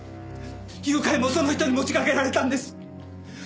誘拐もその人に持ちかけられたんです！